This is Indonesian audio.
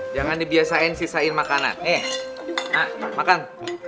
jangan dibiasain sisain makanan eh makan